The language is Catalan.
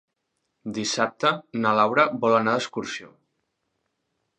Dissabte na Laura vol anar d'excursió.